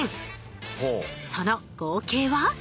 その合計は？